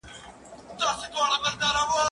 زه بايد ليکنې وکړم؟!